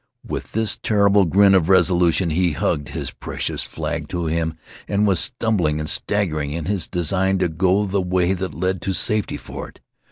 With this terrible grin of resolution he hugged his precious flag to him and was stumbling and staggering in his design to go the way that led to safety for it.